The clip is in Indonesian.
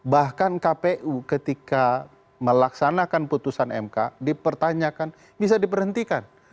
bahkan kpu ketika melaksanakan putusan mk dipertanyakan bisa diperhentikan